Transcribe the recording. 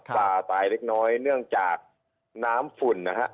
ป่าตายเล็กน้อยเนื่องจากน้ำฝุ่นนะฮะ